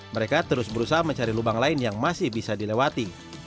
mereka terus berusaha mencari lubang lain yang masih bisa dilewati